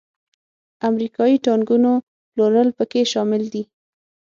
امریکایي ټانکونو پلورل پکې شامل دي.